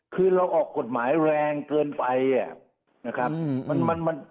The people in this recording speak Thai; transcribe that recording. คือเราออกกฎหมายแรงเกินไปอ่ะอืออืมนะครับมันมันมัน